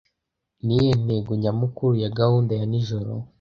Niyihe ntego nyamukuru ya gahunda ya nijoro